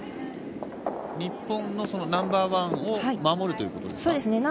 日本のナンバーワンを守るということですか？